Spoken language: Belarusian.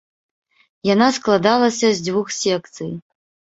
Яна складалася з дзвюх секцый.